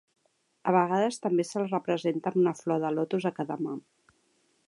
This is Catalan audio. A vegades també se'l representa amb una flor de lotus a cada mà.